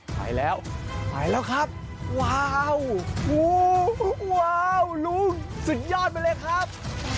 หายแล้วหายแล้วครับว้าวโอ้ว้าวลุงสุดยอดไปเลยครับ